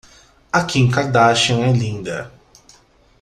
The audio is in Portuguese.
A Kim Kardashian é linda.